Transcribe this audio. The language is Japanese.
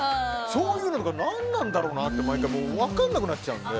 そういうのが何なんだろうなって毎回、分からなくなっちゃうので。